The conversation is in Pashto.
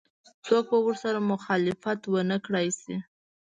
څوک به ورسره مخالفت ونه کړای شي.